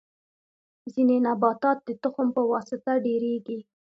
ځینې نباتات د تخم په واسطه ډیریږي